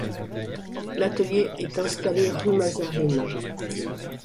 L'atelier est installé rue Mazarine.